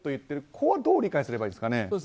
これはどう理解すればいいですかね。